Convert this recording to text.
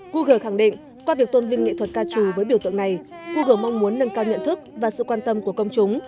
google khẳng định qua việc tôn vinh nghệ thuật ca trù với biểu tượng này google mong muốn nâng cao nhận thức và sự quan tâm của công chúng